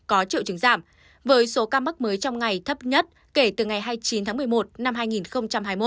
có triệu chứng giảm với số ca mắc mới trong ngày thấp nhất kể từ ngày hai mươi chín tháng một mươi một năm hai nghìn hai mươi một